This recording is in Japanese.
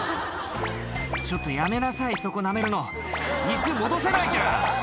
「ちょっとやめなさいそこなめるの」「椅子戻せないじゃん」